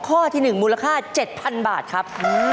ข้อที่๑มูลค่า๗๐๐บาทครับ